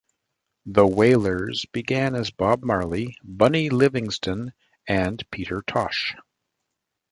The Wailers began as Bob Marley, Bunny Livingston and Peter Tosh.